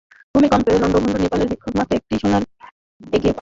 ভূমিকম্পে লন্ডভন্ড নেপালের বিপক্ষে মাত্র একটি সোনার পদকের ব্যবধানে এগিয়ে আমরা।